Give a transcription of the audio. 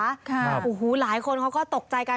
หูหูหูหูหลายคนเขาก็ตกใจกัน